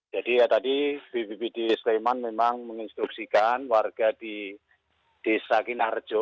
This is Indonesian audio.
jadi ya tadi pbbd sleman memang menginstruksikan warga di sakin arjo